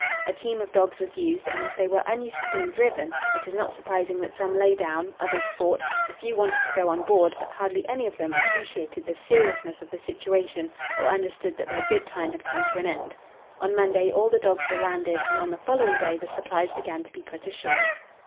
A team of dogs was used, and, as they were unused to being driven, it is not surprising that some lay down, others fought, a few wanted to go on board, but hardly any of them appreciated the seriousness of the situation or understood that their good time had come to an end. On Monday all the dogs were landed, and on the following day the supplies began to be put ashore.